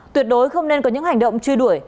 tuyệt đối không nên có những hành động truy đuổi